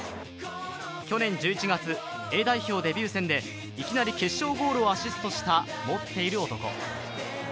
去年１１月、Ａ代表デビュー戦ていきなり決勝ゴールをアシストした持っている男。